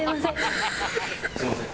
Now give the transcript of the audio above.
すみません。